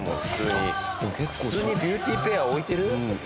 普通にビューティ・ペア置いてる？